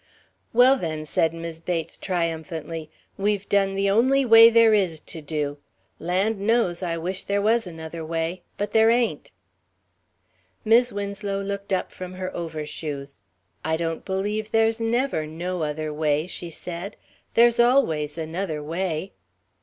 "Well, then," said Mis' Bates triumphantly, "we've done the only way there is to do. Land knows, I wish there was another way. But there ain't." Mis' Winslow looked up from her overshoes. "I don't believe there's never 'no other way,'" she said. "There's always another way...."